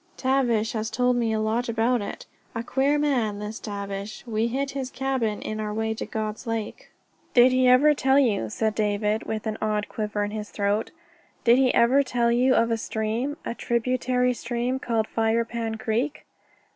Tavish has told me a lot about it. A queer man this Tavish. We hit his cabin on our way to God's Lake." "Did he ever tell you," said David, with an odd quiver in his throat "Did he ever tell you of a stream, a tributary stream, called Firepan Creek?"